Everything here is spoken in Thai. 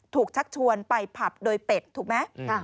ชักชวนไปผับโดยเป็ดถูกไหม